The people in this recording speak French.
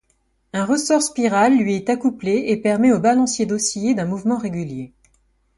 Un ressort spiral lui est accouplé et permet au balancier d’osciller d’un mouvement régulier.